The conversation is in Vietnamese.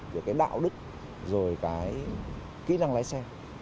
rồi cái đạo đức rồi cái kỹ năng lái xe